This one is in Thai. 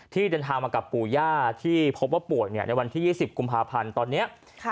เดินทางมากับปู่ย่าที่พบว่าป่วยในวันที่๒๐กุมภาพันธ์ตอนนี้